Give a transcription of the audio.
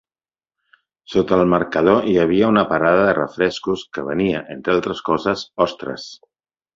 Sota el marcador hi havia una parada de refrescos que venia, entre altres coses, ostres.